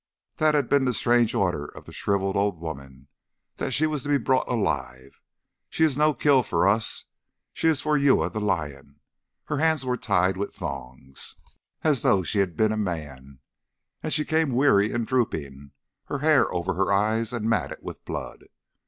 That had been the strange order of the shrivelled old woman, that she was to be brought alive "She is no kill for us. She is for Uya the Lion." Her hands were tied with thongs, as though she had been a man, and she came weary and drooping her hair over her eyes and matted with blood.